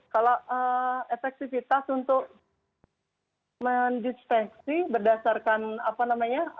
kalau efektivitas untuk mendisfeksi berdasarkan apa namanya